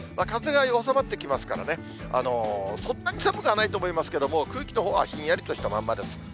風が収まってきますからね、そんなに寒くはないと思いますけれども、空気のほうはひんやりとしたまんまです。